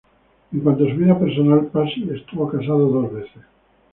En cuanto a su vida personal, Passy estuvo casado dos veces.